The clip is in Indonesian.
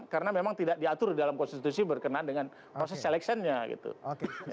karena memang tidak diatur dalam konstitusi berkenan dengan proses seleksinya gitu